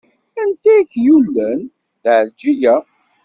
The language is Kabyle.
Anta ay k-yullen? D Ɛelǧiya.